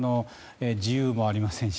自由もありませんし